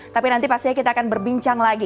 tapi nanti pastinya kita akan berbincang lagi